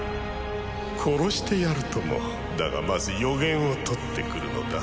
殺してやるともだがまず予言を取ってくるのだ